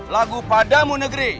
lagu padamu negeri